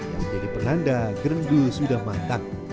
yang menjadi penanda gerenggu sudah matang